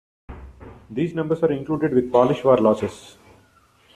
These numbers are included with Polish war losses.